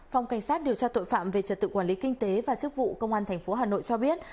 phòng cảnh sát điều tra tội phạm về trật tự quản lý kinh tế và chức vụ công an tp hà nội cho biết